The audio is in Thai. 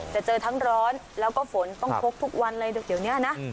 เจอทั้งร้อนแล้วก็ฝนต้องพกทุกวันเลยเดี๋ยวนี้นะ